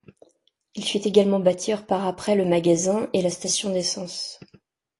Il fit également bâtir par après le magasin et la station d'essence.